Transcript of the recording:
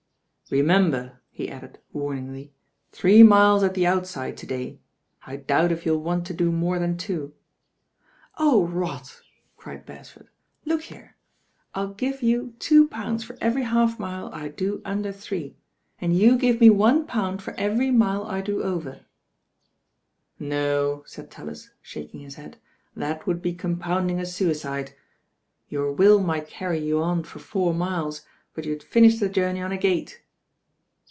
Remember," he added, wamingly, "three miles at the outside to day; I doubt if you'll want to do more than two." "Oh, rot I" cried Beresford. "Look here, FlI give f THK CALL OP THE RAIN GIRL 09 you two pounds for every h»lf.mile I do under three, and you give me one pound for every mile I do over." "No," taid Talli., shaking his head, "that would be compounding a suicide. Your will might carry you on for four miles; but you'd finish the journey on a gate."